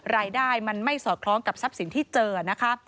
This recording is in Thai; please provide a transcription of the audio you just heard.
รายได้ไม่สอดคล้องกับท่าที่เจอนะคะ